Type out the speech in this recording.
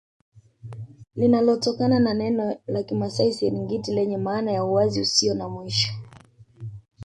Linalotokana na neno la kimasai Siringiti lenye maana ya uwazi usio na mwisho